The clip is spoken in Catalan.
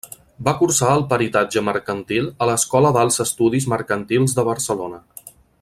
Va cursar el Peritatge Mercantil a l'Escola d'Alts Estudis Mercantils de Barcelona.